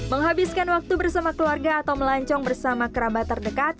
menghabiskan waktu bersama keluarga atau melancong bersama kerabat terdekat